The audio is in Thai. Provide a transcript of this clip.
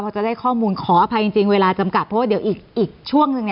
พอจะได้ข้อมูลขออภัยจริงเวลาจำกัดเพราะว่าเดี๋ยวอีกช่วงหนึ่ง